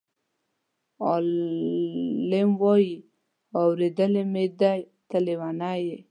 عالم وویل: اورېدلی مې دی ته لېونی یې.